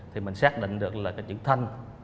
thì mình xác định được là cái chữ thanh